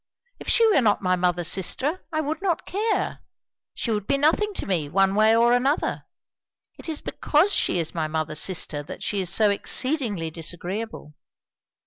If she were not my mother's sister, I would not care; she would be nothing to me, one way or another; it is because she is my mother's sister that she is so exceedingly disagreeable.